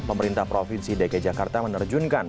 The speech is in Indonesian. pemerintah provinsi dki jakarta menerjunkan